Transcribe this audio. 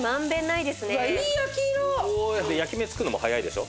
焼き目つくのも早いでしょ。